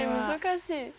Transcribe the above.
難しい。